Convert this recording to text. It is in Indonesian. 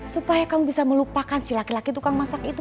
supaya kamu bisa melupakan si laki laki tukang masak itu